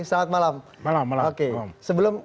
malam malam malam malam oke sebelum